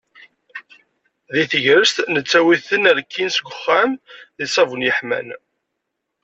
Deg tegrest, nettawi-ten rkin seg uxxam, deg ṣṣabun yeḥman.